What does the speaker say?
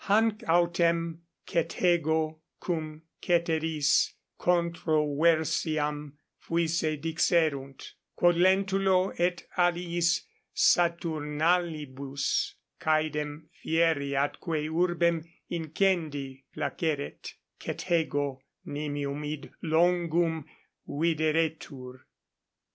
Hanc autem Cethego cum ceteris 10 controversiam fuisse dixerunt, quod Lentulo et aliis Saturnalibus caedem fieri atque urbem incendi placeret, Cethego nimium id longum videretur.